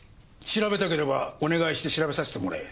調べたければお願いして調べさせてもらえ。